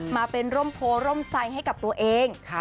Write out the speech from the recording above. มาเป็นร่มโพร่มไซด์ให้กับตัวเอง